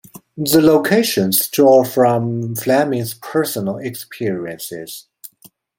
The locations draw from Fleming's personal experiences.